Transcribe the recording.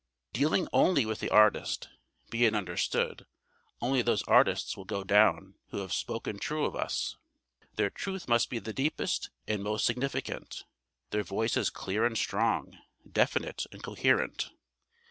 Dealing only with the artist, be it understood, only those artists will go down who have spoken true of us. Their truth must be the deepest and most significant, their voices clear and strong, definite and coherent.